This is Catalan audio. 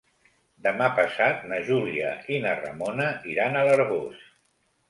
Demà passat na Júlia i na Ramona iran a l'Arboç.